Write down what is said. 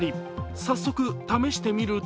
早速試してみると